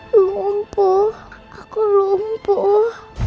lompuh aku lompuh